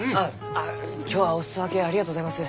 あ今日はお裾分けありがとうございます。